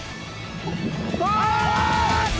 あ！